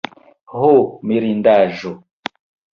ho mirindaĵo!